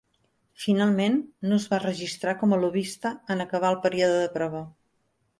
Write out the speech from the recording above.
Finalment, no es va registrar com a lobbista en acabar el període de prova.